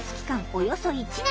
およそ１年。